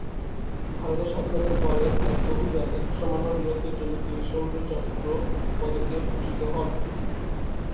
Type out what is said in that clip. ভারতের স্বাধীনতার পরে এক অভিযানে অসামান্য বীরত্বের জন্য তিনি শৌর্য চক্র পদকে ভূষিত হন।